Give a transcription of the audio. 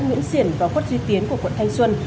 nguyễn xiển và khuất duy tiến của quận thanh xuân